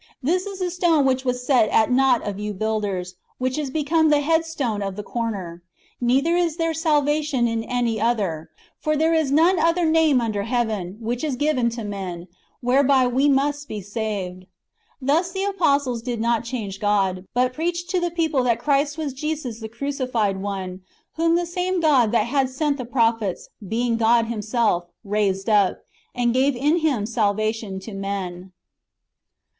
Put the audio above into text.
This is the stone which w^as set at nought of you builders, which is become the head stone of the corner. [Neither is there salvation in any other : for] there is none other name under heaven, which is given to men, whereby we must be saved." ^ Thus the apostles did not change God, but preached to the people that Christ was Jesus the cruci fied One, whom the same God that had sent the prophets, being God Himself, raised up, and gave in Him salvation to men.